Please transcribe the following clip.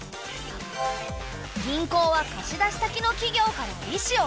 銀行は貸し出し先の企業から利子をとる。